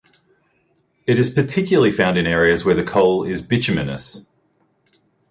It is particularly found in areas where the coal is bituminous.